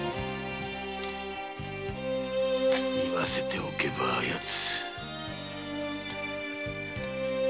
言わせておけばあやつ。